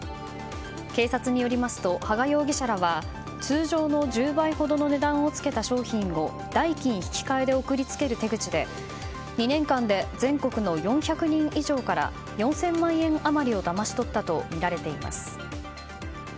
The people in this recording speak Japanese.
警察によりますと羽賀容疑者らは通常の１０倍ほどの値段をつけた商品を代金引換で送り付ける手口で２年間で全国の４００人以上から４０００万円余りをだまし取ったとみられています。